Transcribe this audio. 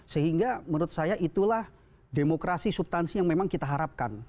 sehingga menurut saya itulah demokrasi subtansi yang memang kita harapkan